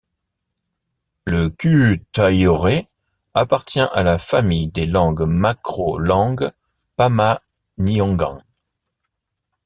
Le kuuk-thaayore appartient à la famille des langues macro langues pama-nyungan.